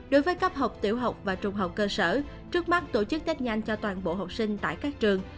đối với cấp học tiểu học và trung học cơ sở trước mắt tổ chức tết nhanh cho toàn bộ học sinh tại các trường